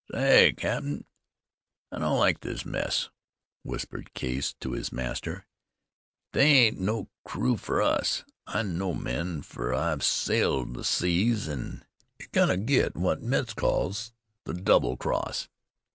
"Say, cap'n, I don't like this mess," whispered Case to his master. "They ain't no crew fer us. I know men, fer I've sailed the seas, an' you're goin' to get what Metz calls the double cross."